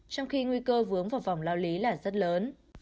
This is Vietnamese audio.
trong khi nguy cơ vướng vào vòng lao lý là rất lớn